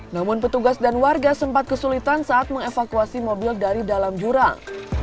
namun petugas dan warga sempat kesulitan saat mengevakuasi mobil dari dalam jurang